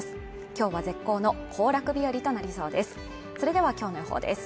今日は絶好の行楽日和となりそうです